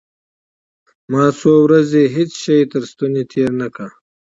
ما څو ورځې هېڅ شى تر ستوني تېر نه کړل.